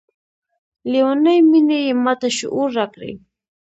لیونۍ میني یې ماته شعور راکړی